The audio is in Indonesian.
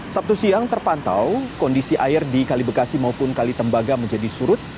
sabtu siang terpantau kondisi air di kali bekasi maupun kali tembaga menjadi surut